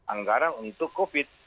anggaran untuk covid sembilan belas